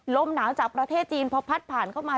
ลมหนาวจากประเทศจีนพอพัดผ่านเข้ามา